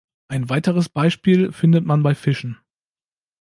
Ein weiteres Beispiel findet man bei Fischen.